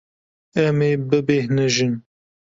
Em ê bibêhnijin.